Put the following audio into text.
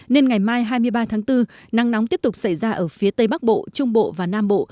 nên ngày mai hai mươi ba tháng bốn nắng nóng tiếp tục xảy ra ở phía tây bắc bộ trung bộ và nam bộ